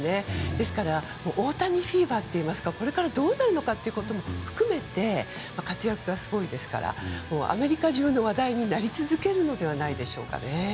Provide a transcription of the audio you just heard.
ですから、大谷フィーバーがこれからどうなるのかも含めて活躍がすごいですからアメリカ中の話題になり続けるのではないでしょうかね。